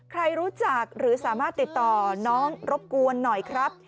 ใครรู้จักหรือสามารถติดต่อน้องรบกวนหน่อยครับ